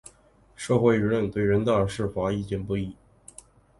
社会舆论对人大释法意见不一。